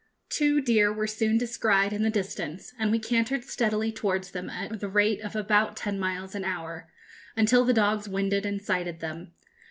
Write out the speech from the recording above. Two deer were soon descried in the distance, and we cantered steadily towards them at the rate of about ten miles an hour, until the dogs winded and sighted them.